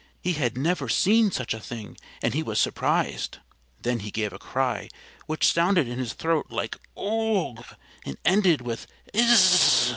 He had never seen such a thing and he was surprised. Then he gave a cry which sounded in his throat like "Oug!" and ended with _"I s s s!"